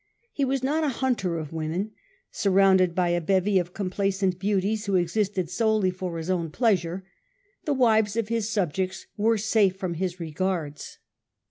He was not a hunter of women : surrounded by a bevy of complaisant beauties who existed solely for his own pleasure, the wives of his subjects were safe from his regards.